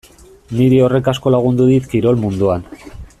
Niri horrek asko lagundu dit kirol munduan.